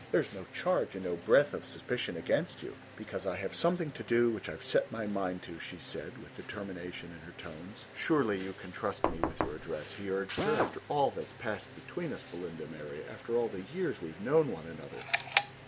There's no charge and no breath of suspicion against you." "Because I have something to do which I have set my mind to," she said, with determination in her tones. "Surely you can trust me with your address," he urged her, "after all that has passed between us, Belinda Mary after all the years we have known one another."